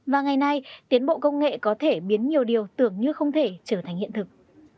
và ngày nay tiến bộ công nghệ có thể biến nhiều điều tưởng như không thể trở thành hiện thực